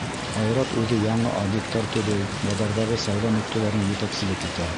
Айрат үҙе яңы объекттар төҙөй, баҙарҙағы сауҙа нөктәләренә етәкселек итә.